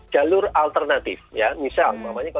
jalur alternatif ya misalnya kalau kita